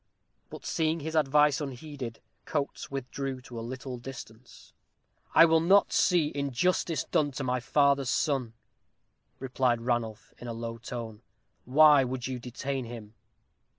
But seeing his advice unheeded, Coates withdrew to a little distance. "I will not see injustice done to my father's son," replied Ranulph, in a low tone. "Why would you detain him?"